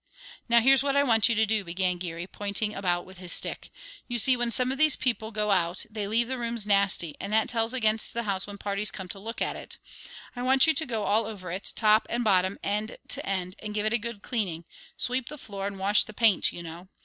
"Now here's what I want you to do," began Geary, pointing about with his stick. "You see, when some of these people go out they leave the rooms nasty, and that tells against the house when parties come to look at it. I want you to go all over it, top and bottom, end to end, and give it a good cleaning, sweep the floor, and wash the paint, you know.